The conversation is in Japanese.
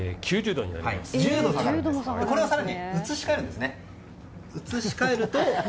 これを更に移し替えるんですね。